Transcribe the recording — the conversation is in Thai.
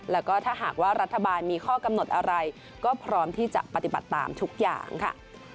แล้วก็ถ้าหากว่ารัฐบาลมีข้อกำหนดอะไรก็พร้อมที่จะปฏิบัติตามทุกอย่างค่ะ